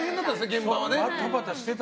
現場はね。